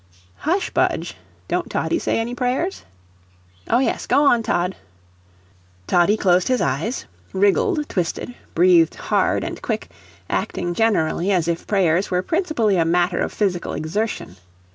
"Hush, Budge; don't Toddie say any prayers?" "Oh yes; go on, Tod." Toddie closed his eyes, wriggled, twisted, breathed hard and quick, acting generally as if prayers were principally a matter of physical exertion.